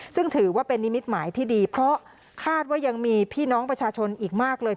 ซึ่งถือว่าเป็นนิมิตหมายที่ดีเพราะคาดว่ายังมีพี่น้องประชาชนอีกมากเลย